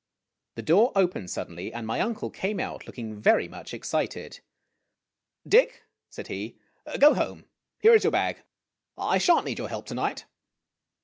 The door opened suddenly, and my uncle came out, looking very much excited. "Dick," said he, "go home. Here is your bag. I sha'n't need your help to night."